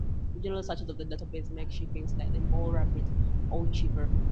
Regional searches of the database make shipping slightly more rapid or cheaper.